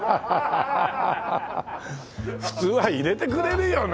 普通は入れてくれるよねえ。